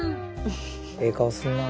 ええ顔すんなあ。